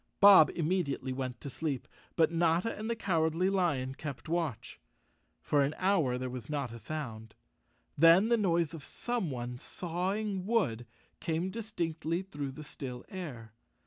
Bob immediately went to sleep, but Notta and the Cow¬ ardly Lion kept watch. For an hour there was not a sound. Then the noise of someone sawing wood came distinctly through the still air.